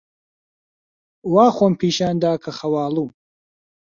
وا خۆم پیشان دا کە خەواڵووم.